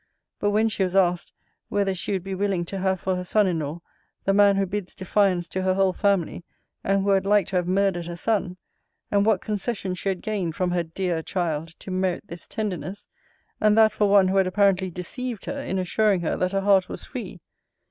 But when she was asked, Whether she would be willing to have for her son in law the man who bids defiance to her whole family; and who had like to have murdered her son? And what concession she had gained from her dear child to merit this tenderness? And that for one who had apparently deceived her in assuring her that her heart was free?